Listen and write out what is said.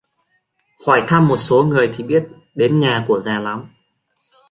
Hỏi thăm một số người thì biết đến nhà của già làm